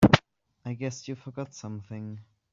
I guess you forgot something.